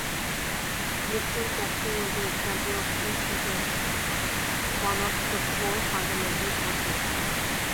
Electron capture is an example of weak interaction, one of the four fundamental forces.